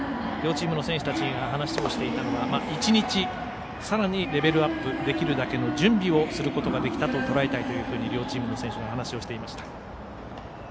両チームの選手たちが話をしていたのが１日、さらにレベルアップするだけの準備をすることができたととらえたいというふうに両チームの選手は話をしていました。